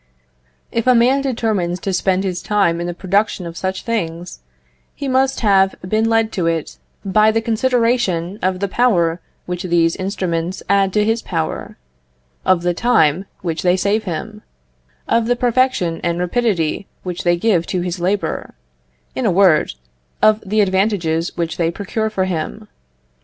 If a man determines to spend his time in the production of such things, he must have been led to it by the consideration of the power which these instruments add to his power; of the time which they save him; of the perfection and rapidity which they give to his labour; in a word, of the advantages which they procure for him.